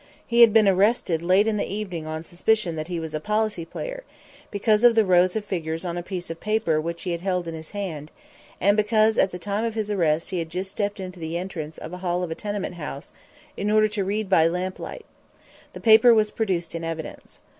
He had been arrested late in the evening on suspicion that he was a policy player, because of the rows of figures on a piece of paper which he had held in his hand, and because at the time of his arrest he had just stepped into the entrance of the hall of a tenement house in order to read by lamplight. The paper was produced in evidence.